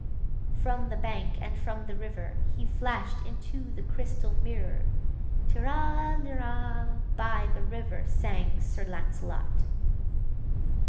From the bank and from the river 105 He flash'd into the crystal mirror, 'Tirra lirra,' by the river Sang Sir Lancelot.